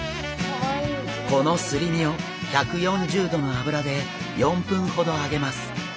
このすり身を１４０度の油で４分ほど揚げます。